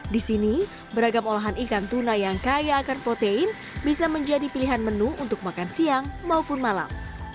di sini beragam olahan ikan tuna yang kaya akan protein bisa menjadi pilihan menu untuk makan siang maupun malam